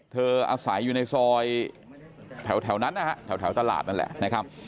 อาศัยอยู่ในซอยแถวนั้นนะฮะแถวตลาดนั่นแหละนะครับ